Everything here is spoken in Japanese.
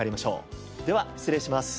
では失礼します。